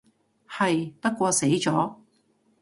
係，不過死咗